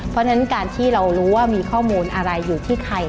เพราะฉะนั้นการที่เรารู้ว่ามีข้อมูลอะไรอยู่ที่ใคร